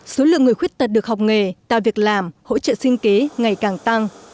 số lượng người khuyết tật được học nghề tạo việc làm hỗ trợ sinh kế ngày càng tăng